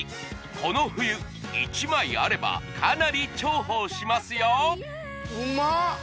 この冬１枚あればかなり重宝しますよ